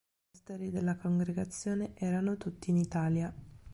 I monasteri della congregazione erano tutti in Italia.